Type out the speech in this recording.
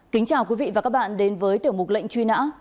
kính chào quý vị và các bạn đến với tiểu mục lệnh truy nã